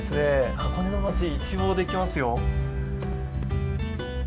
箱根の街、一望できますよ。